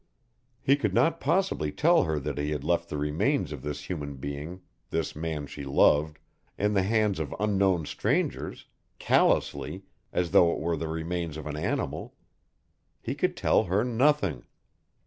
He could not possibly tell her that he had left the remains of this human being, this man she loved, in the hands of unknown strangers, callously, as though it were the remains of an animal. He could tell her nothing.